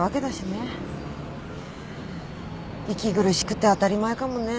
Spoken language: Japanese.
息苦しくて当たり前かもね